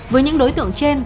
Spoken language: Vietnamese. với những đối tượng trên